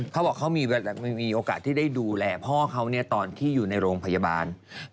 เขาบอกเขามีโอกาสที่ได้ดูแลพ่อเขาตอนที่อยู่ในโรงพยาบาล